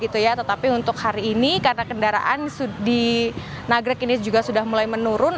tetapi untuk hari ini karena kendaraan di nagrek ini juga sudah mulai menurun